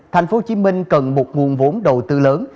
tp hcm cần một nguồn vốn đầu tư lớn